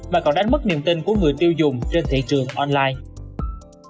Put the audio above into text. mà còn đánh mất niềm tin của người tiêu dùng trên thị trường online